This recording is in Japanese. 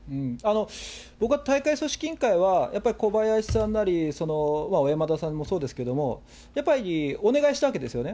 僕は大会組織委員会は、やっぱり小林さんなり、その小山田さんもそうですけれども、やっぱりお願いしたわけですよね。